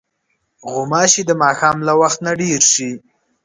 غوماشې د ماښام له وخت نه ډېرې شي.